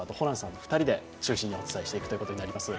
２人が中心にお伝えしていくことになります。